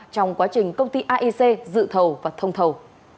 trong quá trình công ty aic dự thầu và thông thầu